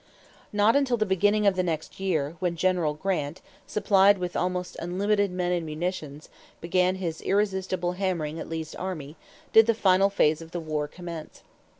Not until the beginning of the next year, when General Grant, supplied with almost unlimited men and munitions, began his irresistible hammering at Lee's army, did the final phase of the war commence.